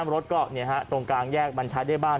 รถกลางแยกมันใช้ได้บ้าง